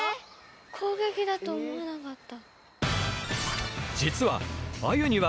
攻撃だと思わなかった。